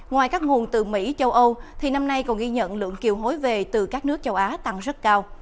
ngoài các nguồn từ mỹ châu âu thì năm nay còn ghi nhận lượng kiều hối về từ các nước châu á tăng rất cao